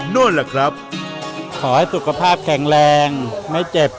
นู่นล่ะครับขอให้สุขภาพแข็งแรงไม่เจ็บ